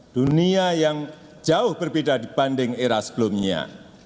dunia yang jauh berbeda dibanding era sebelumnya